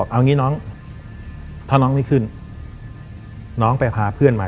ขึ้นไปกับพี่